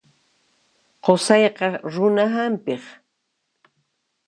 Qusayqa runa hampiq.